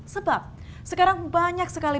sebab sekarang banyak sekali